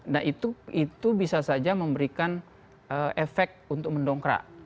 nah itu bisa saja memberikan efek untuk mendongkrak